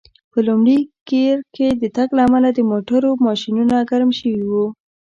په لومړي ګېر کې د تګ له امله د موټرو ماشینونه ګرم شوي و.